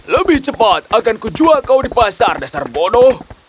lebih cepat akan ku jual kau di pasar dasar bodoh